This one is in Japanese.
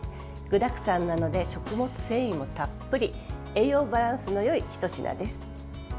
具だくさんなので食物繊維もたっぷり栄養バランスのよいひと品です。